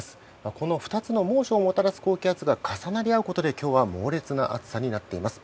この２つの猛暑をもたらす高気圧が重なり合うことで、今日は猛烈な暑さになっています。